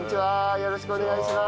よろしくお願いします。